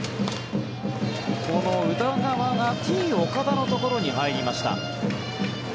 この宇田川がＴ−岡田のところに入りました。